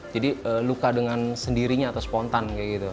jadi luka dengan sendirinya atau spontan